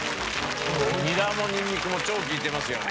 ニラもニンニクも超利いてますよね。